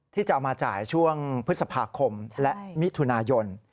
ที่จะเอามาจ่ายช่วงพฤษภาคมและมิถุนายน